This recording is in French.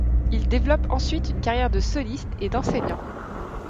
Il développe ensuite une carrière de soliste et d'enseignant.